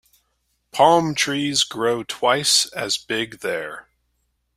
Palm trees grow twice as big there.